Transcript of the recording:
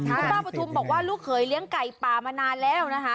คุณป้าปฐุมบอกว่าลูกเขยเลี้ยงไก่ป่ามานานแล้วนะคะ